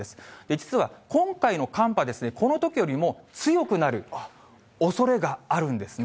実は今回の寒波ですね、このときよりも強くなるおそれがあるんですね。